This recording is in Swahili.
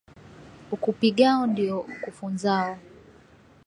Ukupigao ndio ukufunzao